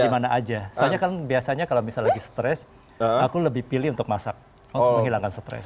di mana aja soalnya kan biasanya kalau misalnya lagi stress aku lebih pilih untuk masak untuk menghilangkan stress